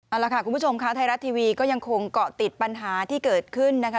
เอาละค่ะคุณผู้ชมค่ะไทยรัฐทีวีก็ยังคงเกาะติดปัญหาที่เกิดขึ้นนะคะ